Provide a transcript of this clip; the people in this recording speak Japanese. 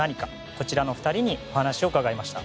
こちらの２人にお話を伺いました。